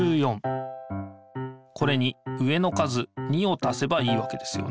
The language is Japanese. これに上の数２をたせばいいわけですよね。